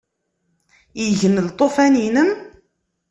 Igen Lṭufan-inem?